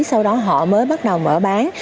sau đó họ mới bắt đầu mở bán